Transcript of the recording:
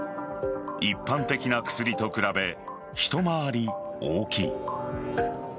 一般的な薬と比べ一回り大きい。